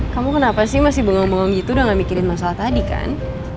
kamu kenapa sih masih bohong bohong gitu udah gak mikirin masalah tadi kan